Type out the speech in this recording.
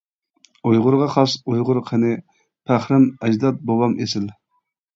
ئۇيغۇرغا خاس ئۇيغۇر قېنى، پەخرىم ئەجداد بوۋام ئېسىل.